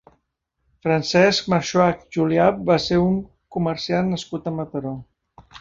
Francesc Marxuach Julià va ser un comerciant nascut a Mataró.